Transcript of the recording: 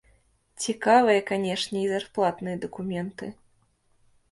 Цікавыя, канешне, і зарплатныя дакументы.